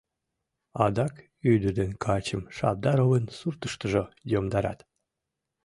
Адак ӱдыр ден качым Шабдаровын суртыштыжо йомдарат.